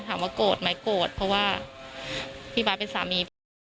ถามว่าโกรธไหมโกรธเพราะว่าพี่บาทเป็นสามีพี่